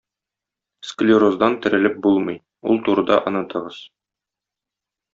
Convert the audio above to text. Склероздан терелеп булмый, ул турыда онытыгыз.